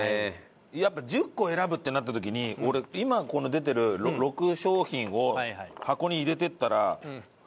やっぱ１０個選ぶってなった時に俺今この出てる６商品を箱に入れてったら。